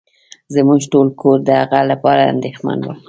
زمونږ ټول کور د هغه لپاره انديښمن وه.